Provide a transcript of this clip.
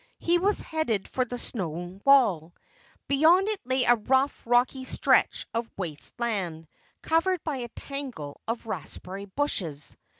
He was headed for the stone wall. Beyond it lay a rough, rocky stretch of waste land, covered by a tangle of raspberry bushes.